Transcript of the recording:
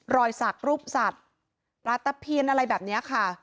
รอยศักดิ์รูปศักดิ์ราตะเพียรอะไรแบบนี้ค่ะ